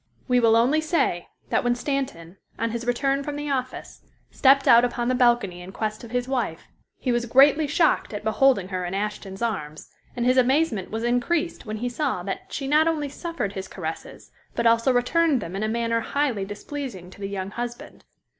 We will only say that when Stanton, on his return from the office, stepped out upon the balcony in quest of his wife, he was greatly shocked at beholding her in Ashton's arms, and his amazement was increased when he saw that she not only suffered his caresses, but also returned them in a manner highly displeasing to the young husband.